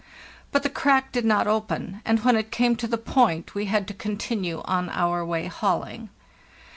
But the crack did not open, and when it came to the point we had to continue on our way hauling.